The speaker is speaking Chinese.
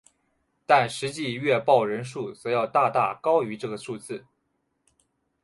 但实际阅报人数则要大大高于这个数字。